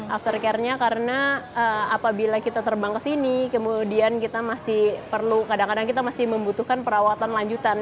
after care nya karena apabila kita terbang ke sini kemudian kita masih perlu kadang kadang kita masih membutuhkan perawatan lanjutan